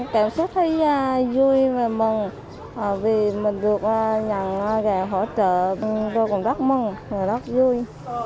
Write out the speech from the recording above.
cảm xúc thấy vui và mừng vì mình được nhận gạo hỗ trợ tôi cũng rất mừng và rất vui